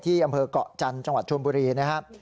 ที่อำเภอกะจันทร์จังหวัดชวนบุรี